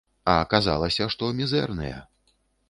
А аказалася, што мізэрныя.